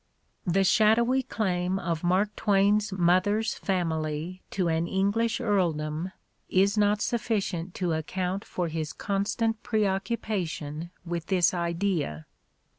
The Those Extraordinary Twins 193 shadowy claim of Mark Twain's mother's family to an English earldom is not sufficient to account for his con stant preoccupation with this idea.